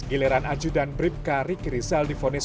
giliran ajudan bribka ricky lizal difonis